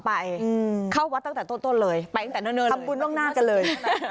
เป็นคราวะตั้งแต่ต้นเลยไปต่างทุนเลยบุญนกหน้ากันเลย